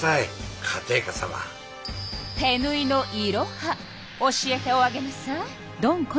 手ぬいのいろは教えておあげなさい。